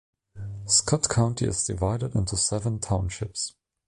Scott County is divided into seven townships.